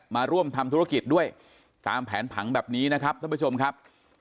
มาร่วมทำธุรกิจด้วยตามแผนผังแบบนี้นะครับท่านผู้ชมครับ